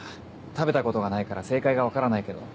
食べたことがないから正解が分からないけど。